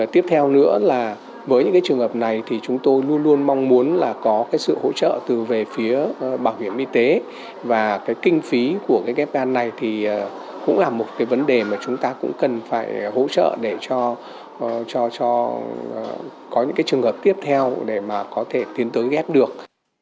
để cho có những cái trường hợp tiếp theo để mà có thể tiến tới ghép được